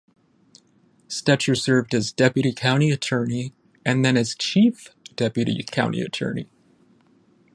Stecher served as deputy county attorney and then as chief deputy county attorney.